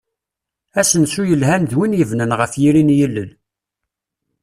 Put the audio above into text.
Asensu yelhan d win yebnan ɣef yiri n yilel.